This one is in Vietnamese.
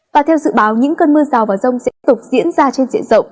và theo dự báo những cơn mưa rào và rông sẽ tục diễn ra trên diện rộng